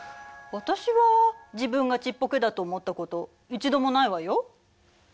私は自分がちっぽけだと思ったこと一度もないわよ。